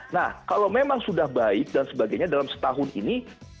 nah kalau memang sudah baik dan sebagainya dalam setahun ini